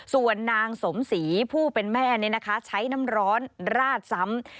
ส่วนนางสมศรีผู้เป็นแม่ใช้น้ำร้อนราดซ้ำ